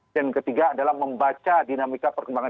ketiga adalah membaca dinamika perkembangan